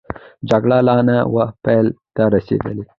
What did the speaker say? جګړه لا نه وه پای ته رسېدلې.